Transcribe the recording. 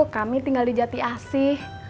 kami tinggal di jati asih